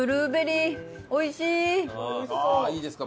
いいですか？